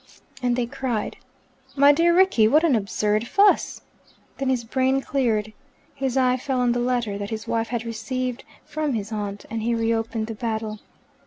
And they cried, "My dear Rickie, what an absurd fuss!" Then his brain cleared. His eye fell on the letter that his wife had received from his aunt, and he reopened the battle.